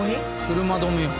車止めや。